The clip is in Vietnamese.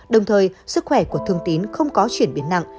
đồng thời sức khỏe của thương tín không có chuyển biến nặng